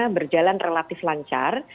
perjalanan relatif lancar